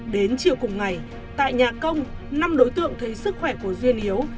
đến chiều cùng ngày tại nhà công năm đối tượng thấy sức khỏe của duyên yếu